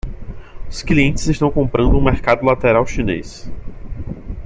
Os clientes estão comprando um mercado lateral chinês.